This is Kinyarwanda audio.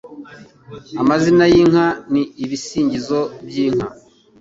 Amazina y'inka: Ni ibisingizo by'inka